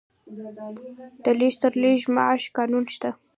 د لږ تر لږه معاش قانون شته؟